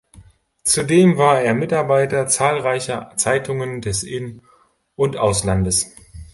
Zudem war er Mitarbeiter zahlreicher Zeitungen des In- und Auslandes.